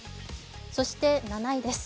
そして７位です。